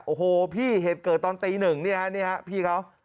โอ้โหพี่เหตุเกิดตอนตีหนึ่งเนี่ยนี่ฮะพี่เขา